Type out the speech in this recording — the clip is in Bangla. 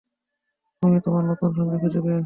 তুমি তোমার নতুন সঙ্গী খুঁজে পেয়েছ!